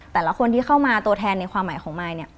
แต่ละคนที่เข้ามาตัวแทนในความหมายของมายเนี่ย